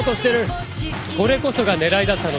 これこそが狙いだったのです。